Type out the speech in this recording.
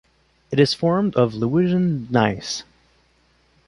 It is formed of Lewisian gneiss.